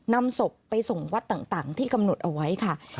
นำศพไปส่งวัดต่างที่กำหนดเอาไว้ค่ะ